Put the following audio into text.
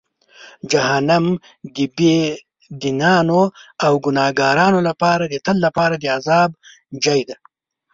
جهنم د بېدینانو او ګناهکارانو لپاره د تل لپاره د عذاب ځای دی.